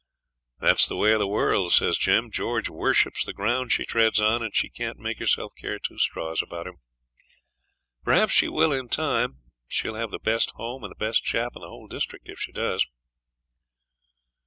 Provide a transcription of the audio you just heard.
'That's the way of the world,' says Jim. 'George worships the ground she treads on, and she can't make herself care two straws about him. Perhaps she will in time. She'll have the best home and the best chap in the whole district if she does.'